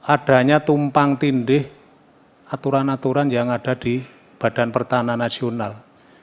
adanya tumpang tindih aturan aturan yang ada di badan pertahanan nasional